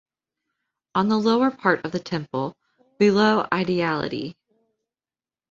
On the lower part of the temple, below Ideality.